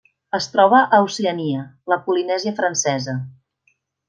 Es troba a Oceania: la Polinèsia Francesa.